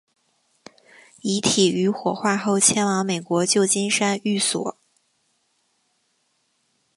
遗体于火化后迁往美国旧金山寓所。